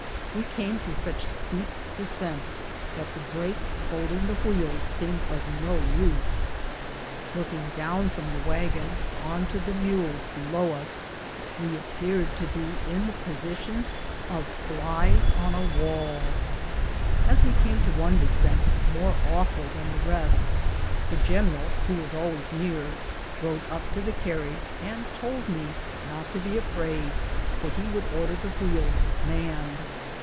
We came to such steep descents, the brake holding the wheels seemed of no use. Looking down from the wagon on to the mules below us, we appeared to be in the position of flies on a wall. 66 BOOTS AND SADDLES. As we came to one descent more awful than the rest, the general, who was always near, rode up to the car riage and told me not to be afraid, for he would order the wheels manned.